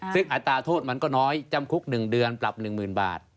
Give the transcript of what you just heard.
ซึ่งอัตราโทษมันก็น้อยจำคุก๑เดือนปรับ๑๐๐๐บาท